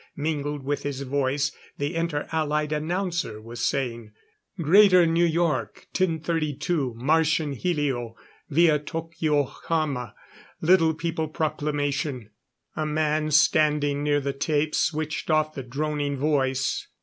Mingled with his voice, the Inter Allied announcer was saying: "Greater New York 10.32 Martian Helio, via Tokyohama: Little People Proclamation " A man standing near the tape switched off the droning voice.